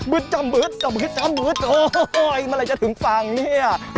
บึดจำบึดจำบึดจำบึดโอ้ยเมื่อไรจะถึงฟังเนี่ย